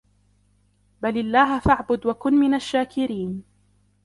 بل الله فاعبد وكن من الشاكرين